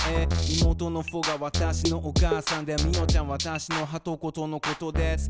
妹のほうが私のお母さんでみよちゃん私の「はとこ」とのことです。